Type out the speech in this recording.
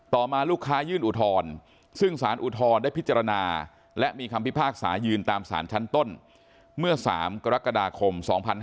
ต่อมาลูกค้ายื่นอุทธรณ์ซึ่งสารอุทธรณ์ได้พิจารณาและมีคำพิพากษายืนตามสารชั้นต้นเมื่อ๓กรกฎาคม๒๕๕๙